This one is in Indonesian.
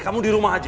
kamu di rumah aja